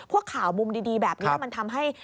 ว่าข่าวมุมดีแบบนี้มันทำให้